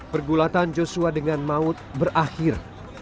pergulatan joshua dengan maut berakhir